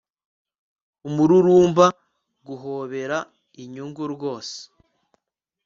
Umururumba guhobera inyungu rwose